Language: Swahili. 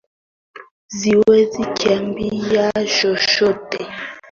Siwezi kuambiwa chochote